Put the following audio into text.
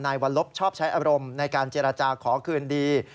วันลบชอบใช้อารมณ์ในการเจรจาขอคืนดี